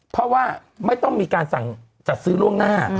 เพราะว่าไม่ต้องมีการสั่งจัดซื้อล่วงหน้า